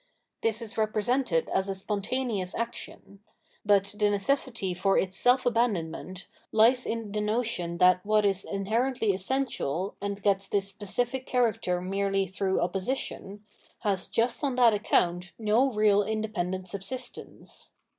This is repre sented as a spontaneous action ; but the necessity for its self abandonment hes in the notion that what is inherently essential, and gets this specific character merely through opposition, has just on that account no real independent subsistence.